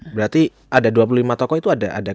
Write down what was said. berarti ada dua puluh lima tokoh itu ada